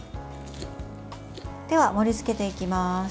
では、盛りつけていきます。